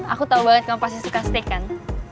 aku tahu banget kamu pasti suka steak kan